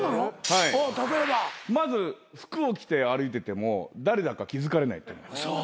まず服を着て歩いてても誰だか気付かれない。